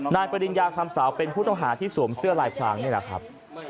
ปริญญาคำสาวเป็นผู้ต้องหาที่สวมเสื้อลายพรางนี่แหละครับ